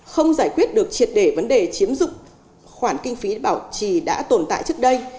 không giải quyết được triệt để vấn đề chiếm dụng khoản kinh phí bảo trì đã tồn tại trước đây